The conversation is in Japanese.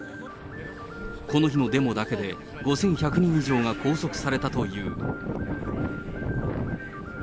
この日のデモだけで５１００人以上が拘束されたという。